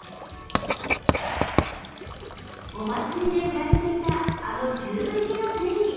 お祭りで売られていたあのチューブ入りのゼリー。